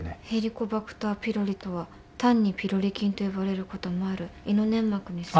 ヘリコバクターピロリとは単にピロリ菌と呼ばれることもある胃の粘膜に。